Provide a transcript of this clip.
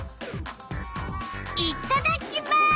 いっただきます！